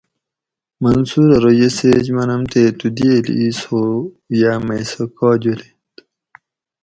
منصور ارو یہ سیچ منم تے تو دیئل ایس ھو یا مئ سہ کا جولینت